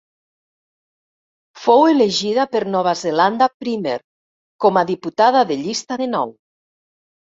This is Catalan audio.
Fou elegida per Nova Zelanda Primer com a diputada de llista de nou.